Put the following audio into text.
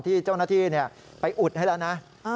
ที่เจ้าหน้าที่ไปอุดให้แล้วนะ